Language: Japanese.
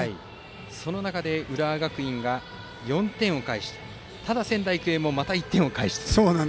その中で浦和学院が４点を返してただ、仙台育英もまた１点を返してという。